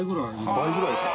倍ぐらいですか？